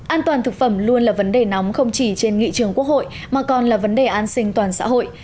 an toàn thực phẩm luôn là vấn đề nóng không chỉ trên nghị trường quốc hội mà còn là vấn đề an sinh toàn xã hội